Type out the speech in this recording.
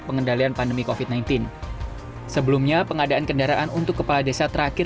pengendalian pandemic of it sembilan belas sebelumnya pengadaan kendaraan untuk kepala desa terakhir